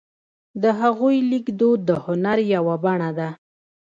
د هغوی لیکدود د هنر یوه بڼه ده.